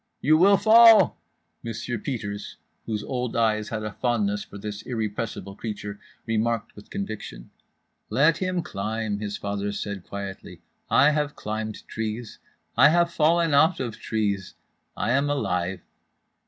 "You will fall," Monsieur Peters (whose old eyes had a fondness for this irrepressible creature) remarked with conviction.—"Let him climb," his father said quietly. "I have climbed trees. I have fallen out of trees. I am alive."